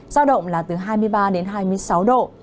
giao động là từ hai mươi ba đến hai mươi sáu độ